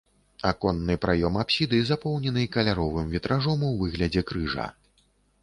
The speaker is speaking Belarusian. Аконны праём апсіды запоўнены каляровым вітражом у выглядзе крыжа.